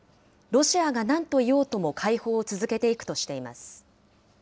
ロシアがなんと言おうとも解放を続けていくとしています。